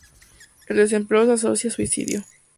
El desempleo se asocia a suicidio.